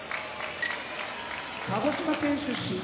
鹿児島県出身